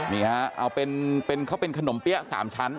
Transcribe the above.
นี่ฮะเขาเป็นขนมเปี๊ยะ๓ชั้น